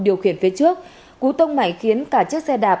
điều khiển phía trước cú tông mạnh khiến cả chiếc xe đạp